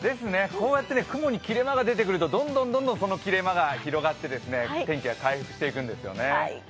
こうやって雲に切れ間が出てくるとどんどんその切れ間が広がって天気が回復していくんですよね。